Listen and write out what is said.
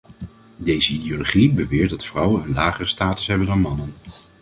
Deze ideologie beweert dat vrouwen een lagere status hebben dan mannen.